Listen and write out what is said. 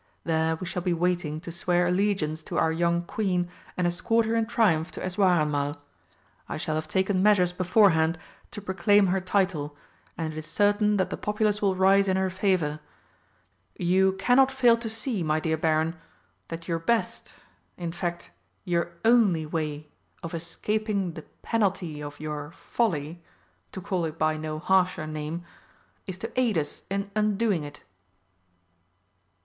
There we shall be waiting to swear allegiance to our young Queen and escort her in triumph to Eswareinmal. I shall have taken measures beforehand to proclaim her title, and it is certain that the populace will rise in her favour. You cannot fail to see, my dear Baron, that your best in fact, your only way of escaping the penalty of your folly to call it by no harsher name is to aid us in undoing it."